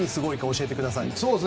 教えてください。